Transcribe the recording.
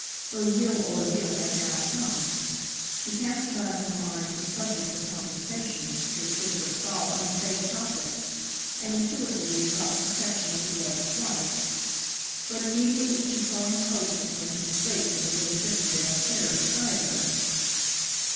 Her real ordeal had now come. She cast about in her mind for subjects of conversation which should forestall unsafe topics, and intuitively sought the protection of the Judge's wife. But immediately she saw her hostess making straight for the little Chippendale chair beside her.